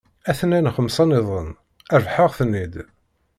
A-ten-an xemsa-nniḍen, rebḥeɣ-ten-id.